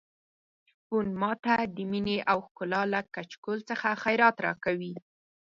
شپون ماته د مينې او ښکلا له کچکول څخه خیرات راکوي.